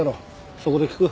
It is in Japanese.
そこで聞く。